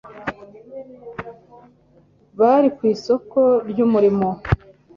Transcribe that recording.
bari ku isoko ry'umurimo